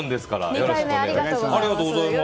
よろしくお願いします。